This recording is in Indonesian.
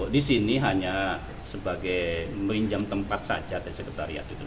di sini hanya sebagai merinjam tempat saja dari sekretariat